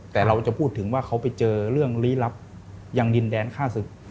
แต่เราจะพูดถึงว่าเขาไปเจอเรื่องลี้ลับยังดินแดนฆ่าศึก